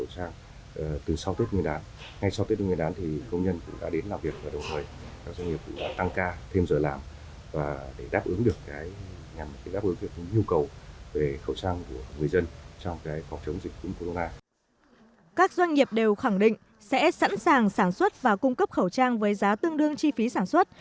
các doanh nghiệp đều khẳng định sẽ sẵn sàng sản xuất và cung cấp khẩu trang với giá tương đương chi phí sản xuất